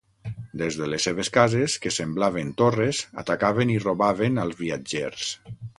Des de les seves cases, que semblaven torres, atacaven i robaven als viatgers.